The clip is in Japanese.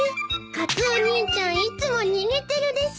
カツオお兄ちゃんいつも逃げてるです。